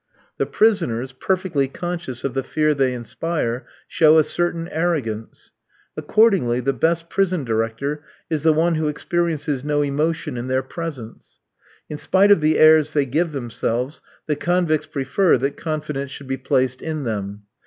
The prisoners, perfectly conscious of the fear they inspire, show a certain arrogance. Accordingly, the best prison director is the one who experiences no emotion in their presence. In spite of the airs they give themselves, the convicts prefer that confidence should be placed in them.